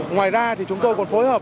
ngoài ra thì chúng tôi còn phối hợp